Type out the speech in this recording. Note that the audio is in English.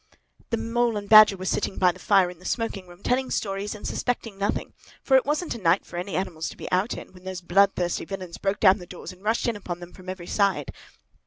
"The Mole and the Badger were sitting by the fire in the smoking room, telling stories and suspecting nothing, for it wasn't a night for any animals to be out in, when those bloodthirsty villains broke down the doors and rushed in upon them from every side.